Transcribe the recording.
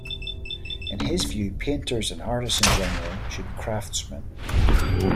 In his view, painters and artists in general should be craftsmen.